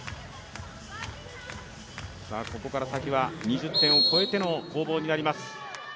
ここから先は２０点を越えての攻防になります。